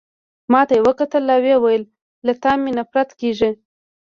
ما ته يې وکتل او ويې ویل: له تا مي نفرت کیږي.